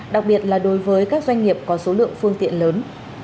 đặc biệt là đối với các doanh nghiệp có số lượng phương tiện lớn